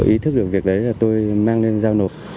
ý thức được việc đấy là tôi mang lên giao nộp